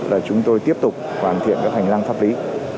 là chúng tôi tiếp tục hoàn thiện các hành lang pháp lý